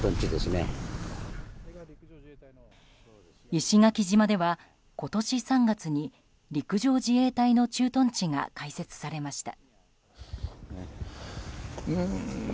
石垣島では今年３月に陸上自衛隊の駐屯地が開設されました。